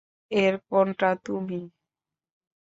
এর কোনটা তুমি?